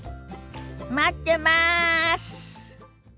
待ってます！